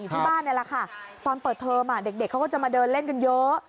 ที่บ้านนี่แหละค่ะตอนเปิดเทอมเด็กเขาก็จะมาเดินเล่นกันเยอะ